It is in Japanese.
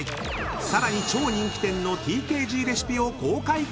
［さらに超人気店のＴＫＧレシピを公開］